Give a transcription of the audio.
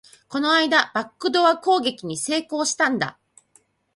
この間、バックドア攻撃に成功したんだ